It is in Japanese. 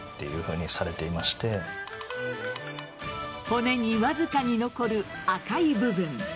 骨にわずかに残る赤い部分。